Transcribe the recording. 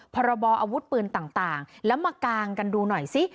พรบออาวุธปืนต่างแล้วมากางกันดูหน่อยซิ